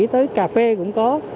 tới cà phê cũng có